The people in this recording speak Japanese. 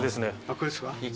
これですか？